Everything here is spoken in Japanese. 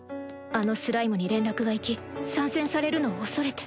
あのスライムに連絡が行き参戦されるのを恐れて